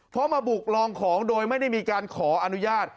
เพราะมาบุกลองของโดยไม่ได้มีการขออนุญาต